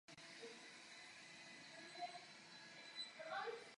A to velmi oceňuji.